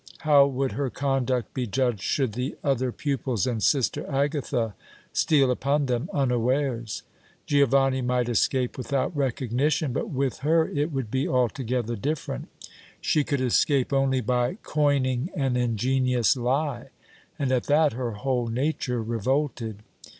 How would her conduct be judged should the other pupils and Sister Agatha steal upon them unawares? Giovanni might escape without recognition, but with her it would be altogether different. She could escape only by coining an ingenious lie, and at that her whole nature revolted.